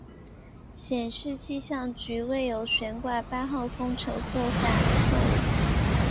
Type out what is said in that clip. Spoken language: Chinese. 显示气象局未有悬挂八号风球做法错误。